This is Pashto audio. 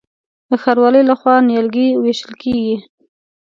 د ښاروالۍ لخوا نیالګي ویشل کیږي.